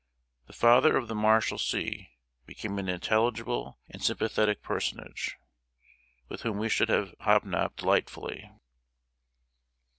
"The Father of the Marshalsea" became an intelligible and sympathetic personage, with whom we should have hobnobbed delightfully.